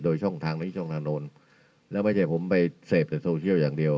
โดยช่องทางนี้ช่องทางโน้นแล้วไม่ใช่ผมไปเสพแต่โซเชียลอย่างเดียว